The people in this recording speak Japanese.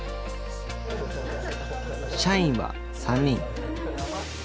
社員は３人。